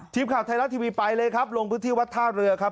ทีมข่าวไทยรัฐทีวีไปเลยครับลงพื้นที่วัดท่าเรือครับ